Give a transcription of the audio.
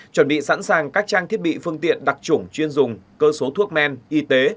chuẩn bị sẵn sàng các trang thiết bị phương tiện đặc trủng chuyên dùng cơ số thuốc men y tế